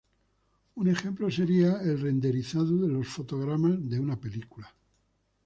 Un ejemplo sería el renderizado de los fotogramas de una película.